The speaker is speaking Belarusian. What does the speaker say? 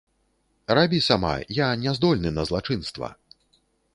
Рабі сама, я няздольны на злачынства!